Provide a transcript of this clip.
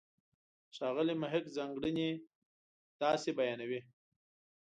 ښاغلی محق ځانګړنې داسې بیانوي.